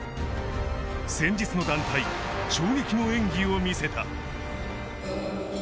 先日の団体、衝撃の演技を見せた。